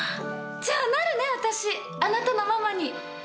じゃあなるね、私、あなたのママに。